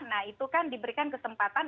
nah itu kan diberikan kesempatan